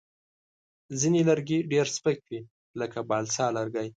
ځینې لرګي ډېر سپک وي، لکه بالسا لرګی.